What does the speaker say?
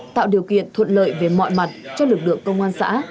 tạo điều kiện thuận lợi về mọi mặt cho lực lượng công an xã